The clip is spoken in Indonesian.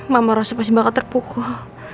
mama rasa pasti bakal terpukuh